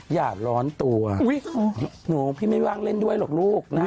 อย่าร้อนตัวหนูพี่ไม่ว่างเล่นด้วยหรอกลูกนะฮะ